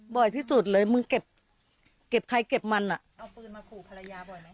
บ่อยที่สุดเลยมึงเก็บใครเก็บมันอ่ะเอาปืนมาขู่ภรรยาบ่อยไหม